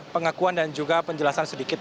pengakuan dan juga penjelasan sedikit